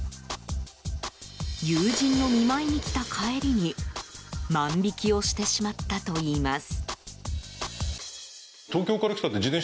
友人の見舞いに来た帰りに万引きをしてしまったといいます。